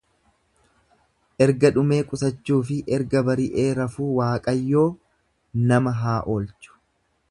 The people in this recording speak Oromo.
Erga dhumee qusachuufi erga bari'ee rafuu waaqayyoo nama haa oolchu.